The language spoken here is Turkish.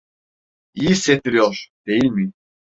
İyi hissettiriyor, değil mi?